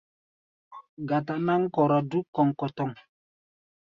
Gata-náŋ kɔra dúk kɔŋkɔtɔŋ.